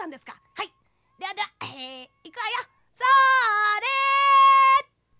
「はいではではえいくわよ。それっと！」。